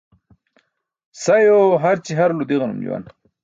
Sayo harci harulo di̇ġanum juwan.